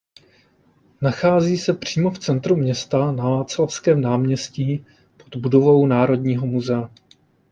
Nachází se přímo v centru města na Václavském náměstí pod budovou Národního muzea.